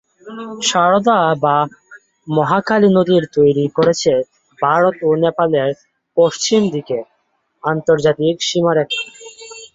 সারদা বা মহাকালী নদী তৈরি করেছে ভারত ও নেপালের পশ্চিম দিকের আন্তর্জাতিক সীমারেখা।